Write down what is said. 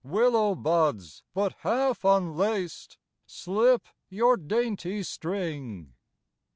Willow buds, but half unlaced, Slip your dainty string.